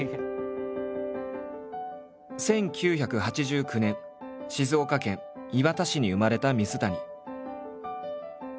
だから１９８９年静岡県磐田市に生まれた水谷。